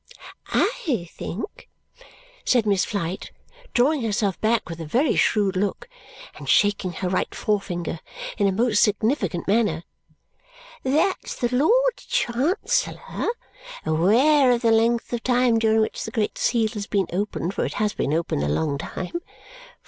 I think," said Miss Flite, drawing herself back with a very shrewd look and shaking her right forefinger in a most significant manner, "that the Lord Chancellor, aware of the length of time during which the Great Seal has been open (for it has been open a long time!)